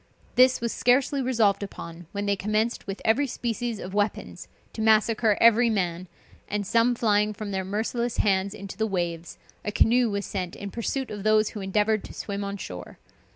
This was scarcely resolved upon, when they commenced with every species of weapons to massacre every man, and some flying from their merciless hands into the waves, a canoe was sent in pursuit of those who endeavored to swim on shore.